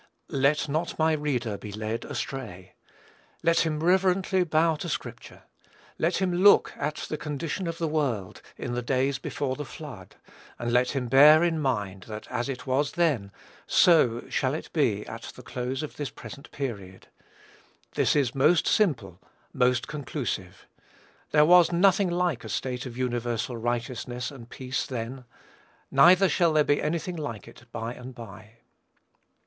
Let not my reader be led astray. Let him reverently bow to Scripture. Let him look at the condition of the world, "in the days before the flood;" and let him bear in mind, that "as" it was then, "so" shall it be at the close of this present period. This is most simple, most conclusive. There was nothing like a state of universal righteousness and peace then, neither shall there be any thing like it by and by.